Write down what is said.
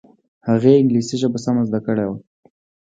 هغې انګلیسي ژبه سمه زده کړې وه